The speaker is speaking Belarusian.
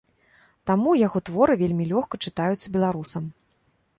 Таму яго творы вельмі лёгка чытаюцца беларусам.